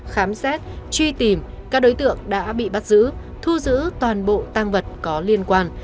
khám xét truy tìm các đối tượng đã bị bắt giữ thu giữ toàn bộ tăng vật có liên quan